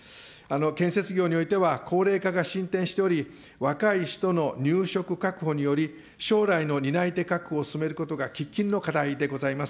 建設業においては高齢化が進展しており、若い人の入職確保により、将来の担い手確保を進めることが喫緊の課題でございます。